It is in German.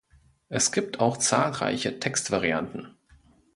Es gibt auch zahlreiche Textvarianten.